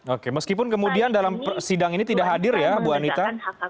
oke meskipun kemudian dalam sidang ini tidak hadir ya bu anita